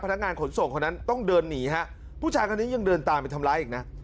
พนักงานขนส่งคนนั้นต้องเดินหนีฮะผู้ชายคนนี้ยังเดินตามไปทำร้ายอีกนะ